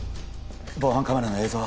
防犯カメラの映像は？